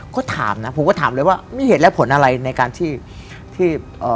ก็ถามนะผมก็ถามเลยว่ามีเหตุและผลอะไรในการที่ที่เอ่อ